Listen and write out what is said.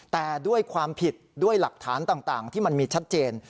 แต่ด้วยความผิดด้วยหลักฐานต่างที่มันมีชัดเจน